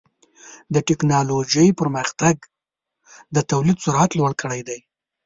د ټکنالوجۍ پرمختګ د تولید سرعت لوړ کړی دی.